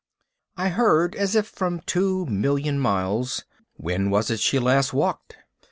I heard as if from two million miles, "When was it she last walked?"